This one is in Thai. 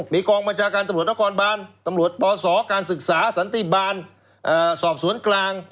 มีกองบัญชาการตำรวจนครบานตำรวจปศการศึกษาสันติบาลสอบสวนกลาง